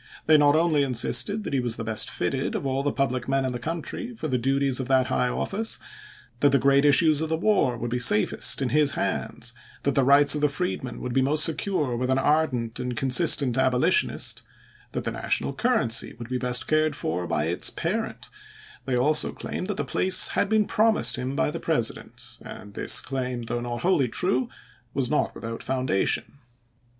They not only insisted that he was best fitted of all the public men in the country for the duties of that high office ; that the great issues of the war would be safest in his hands ; that the rights of the freed men would be most secure with an ardent and con Aug. 30, CHASE AS CHIEF JUSTICE 387 sistent abolitionist ; that the National currency ch. xvii. would be best cared for by its parent; they also claimed that the place had been promised him by the President, and this claim, though not wholly true, was not without foundation.